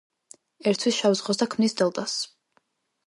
ერთვის შავ ზღვას და ქმნის დელტას.